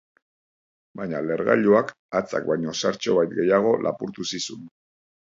Baina lehergailuak hatzak baino zertxobait gehiago lapurtu zizun.